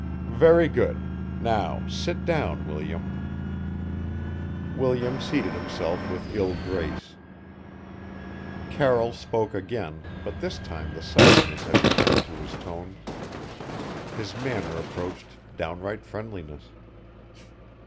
"Very good! Now, sit down, William." William seated himself with ill grace. Carroll spoke again, but this time the softness had returned to his tones. His manner approached downright friendliness.